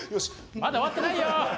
まだ終わってないよ！